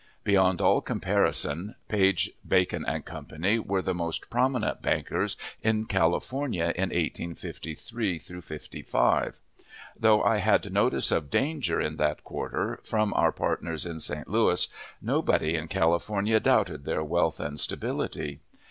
Beyond all comparison, Page, Bacon & Co. were the most prominent bankers in California in 1853 '55. Though I had notice of danger in that quarter, from our partners in St. Louis, nobody in California doubted their wealth and stability.